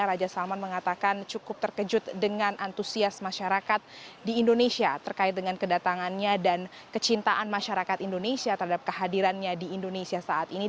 raja salman mengatakan cukup terkejut dengan antusias masyarakat di indonesia terkait dengan kedatangannya dan kecintaan masyarakat indonesia terhadap kehadirannya di indonesia saat ini